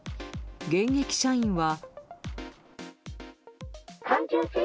現役社員は。